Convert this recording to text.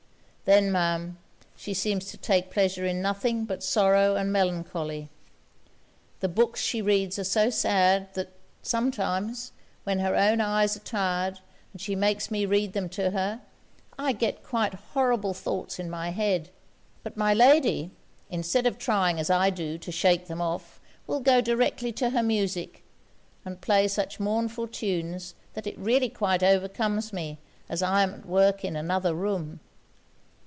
Then, Ma'am, she seems to take pleasure in nothing but sorrow and melancholy. The books she reads are so sad, that sometimes, when her own eyes are tired and she makes me read them to her, I get quite horrible thoughts in my head. But my lady, instead of trying, as I do, to shake them off, will go directly to her music, and play such mournful tunes, that it really quite overcomes me, as I am at work in another room.